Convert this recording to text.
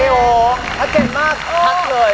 โอ้โหชัดเจนมากชัดเลย